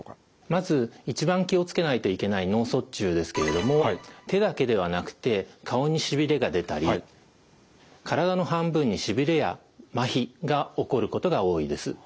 まず一番気を付けないといけない脳卒中ですけれども手だけではなくて顔にしびれが出たり体の半分にしびれやまひが起こることが多いです。